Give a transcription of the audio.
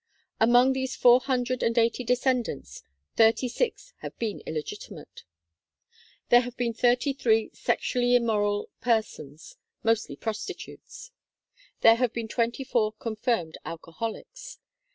Among these four hundred and eighty descendants, thirty six have been illegitimate. There have been thirty three sexually immoral per sons, mostly prostitutes. There have been twenty four confirmed alcoholics.